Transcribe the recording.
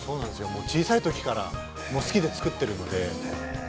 もう小さいときから好きで作っているので。